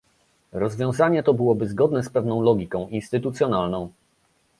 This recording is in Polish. Rozwiązanie to byłoby zgodne z pewną logiką instytucjonalną